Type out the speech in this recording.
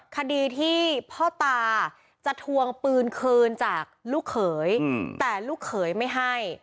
คดีที่พ่อตาจะทวงปืนคืนจากลูกเขยแต่ลูกเขยไม่ให้